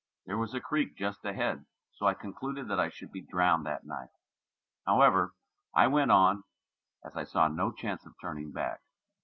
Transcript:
There was a creek just ahead, so I concluded that I should be drowned that night; however, I went on, as I saw no chance of turning back.